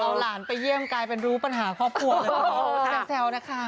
เอาหลานไปเยี่ยมกลายเป็นรู้ปัญหาครอบครัวเลยแซวนะคะ